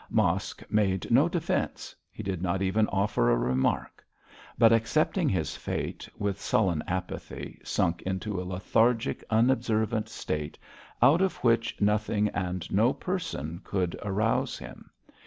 Mosk made no defence; he did not even offer a remark; but, accepting his fate with sullen apathy, sunk into a lethargic, unobservant state, out of which nothing and no person could arouse him.